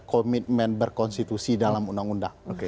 komitmen berkonstitusi dalam undang undang